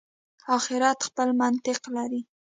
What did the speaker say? آخرت خپل منطق لري.